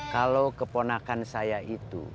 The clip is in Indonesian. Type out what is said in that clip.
kalau keponakan saya itu